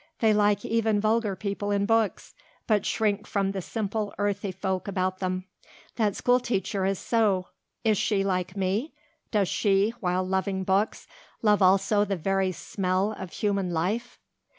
They like even vulgar people in books, but shrink from the simple, earthy folk about them. That school teacher is so. Is she like me? Does she, while loving books, love also the very smell of human life?"